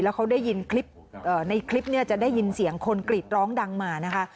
เขาได้ยินคลิปในคลิปเนี่ยจะได้ยินเสียงคนกรีดร้องดังมานะคะ